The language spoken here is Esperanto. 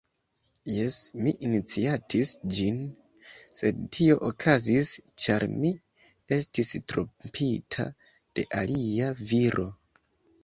Jes, mi iniciatis ĝin, sed tio okazis ĉar mi estis trompita de alia viro.